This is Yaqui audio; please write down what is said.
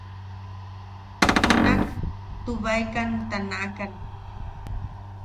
Junak tubeakan ta nakan.